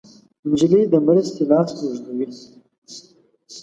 نجلۍ د مرستې لاس اوږدوي.